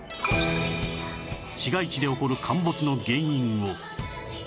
市街地で起こる陥没の原因を